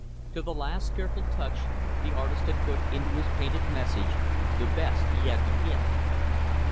To the last careful touch, the artist had put into his painted message, the best he had to give.